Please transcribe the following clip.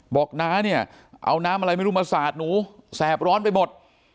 น้าเนี่ยเอาน้ำอะไรไม่รู้มาสาดหนูแสบร้อนไปหมด